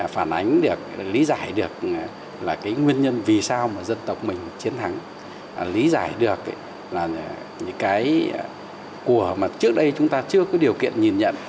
phản ánh được lý giải được là cái nguyên nhân vì sao mà dân tộc mình chiến thắng lý giải được là những cái của mà trước đây chúng ta chưa có điều kiện nhìn nhận